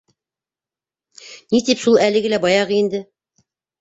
— Ни тип, шул, әлеге лә баяғы инде.